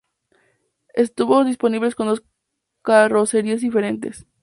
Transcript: Estuvo disponibles con dos carrocerías diferentes.